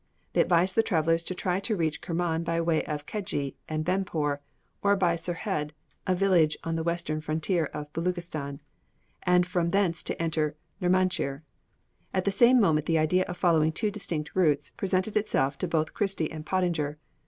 They advised the travellers to try to reach Kerman by way of Kedje and Benpor, or by Serhed, a village on the western frontier of Beluchistan, and from thence to enter Nermanchir. At the same moment the idea of following two distinct routes presented itself to both Christie and Pottinger.